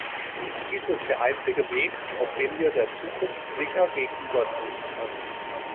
Dies ist der einzige Weg, auf dem wir der Zukunft sicher gegenübertreten können.